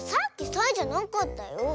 サイじゃなかった。